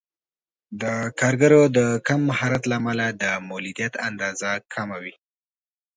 د کارګرو د کم مهارت له امله د مولدیت اندازه کمه وي.